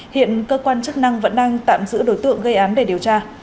hiện cơ quan chức năng vẫn đang tạm giữ đối tượng gây án để điều tra